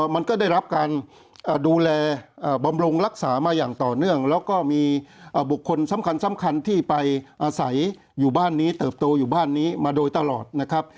มันก็ได้รับการดูแลบำรุงรักษามาอย่างต่อเนื่องแล้วก็มีบุคคลสำคัญที่ไปอาศัยอยู่บ้านนี้เติบโตอยู่บ้านนี้มาโดยตลอดนะครับ